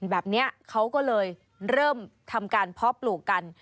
แบบนี้เขาก็เลยเริ่มทำการเพาะปลูกกัน